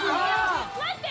待って。